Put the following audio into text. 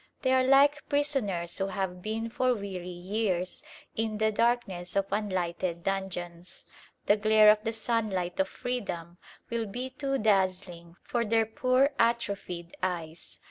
They are like prisoners who have been for weary years in the darkness of unlighted dungeons. The glare of the sunlight of freedom will be too dazzling for their poor atrophied eyes.